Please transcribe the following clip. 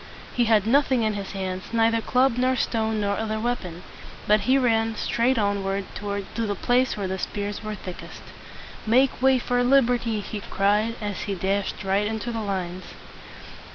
He had nothing in his hands, neither club nor stone nor other weapon. But he ran straight on ward to the place where the spears were thickest. "Make way for lib er ty!" he cried, as he dashed right into the lines.